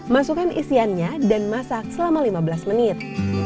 masukkan isiannya dan masak selama lima belas menit